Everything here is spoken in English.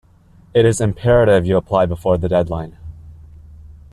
It is imperative you apply before the deadline.